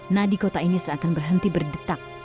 nah di kota ini seakan berhenti berdetak